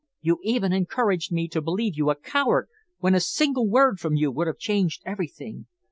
You even encouraged me to believe you a coward, when a single word from you would have changed everything.